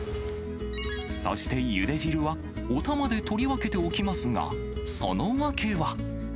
そしてゆで汁はお玉で取り分けておきますが、その訳は。